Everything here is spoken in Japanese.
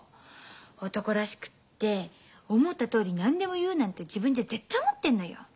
男らしくって思ったとおり何でも言うなんて自分じゃ絶対思ってんのよ。